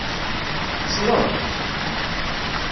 Tḥeṣleḍ?